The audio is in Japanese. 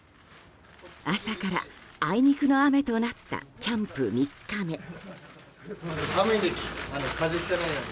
朝から、あいにくの雨となったキャンプ３日目。